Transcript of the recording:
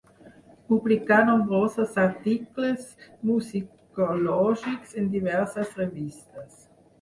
Publicà nombrosos articles musicològics en diverses revistes.